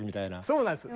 そうなんです。